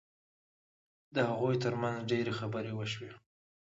د هغوی ترمنځ ډېرې خبرې وشوې